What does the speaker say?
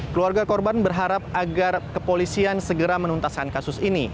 keluarga korban berharap agar kepolisian segera menuntaskan kasus ini